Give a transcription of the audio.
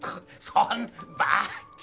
そんばっ。